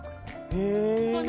へえ。